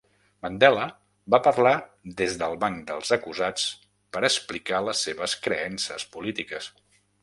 Mandela va parlar des del banc dels acusats per explicar les seves creences polítiques.